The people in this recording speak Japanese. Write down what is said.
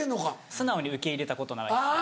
素直に受け入れたことがない。